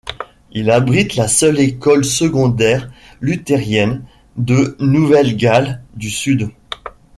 Il abrite la seule école secondaire luthérienne de Nouvelle Galles du Sud.